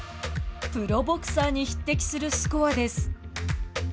プロボクサーに匹敵するスコアです。